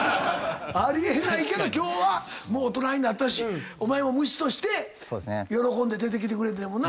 あり得ないけど今日はもう大人になったしお前もむしとして喜んで出てきてくれたんやもんな。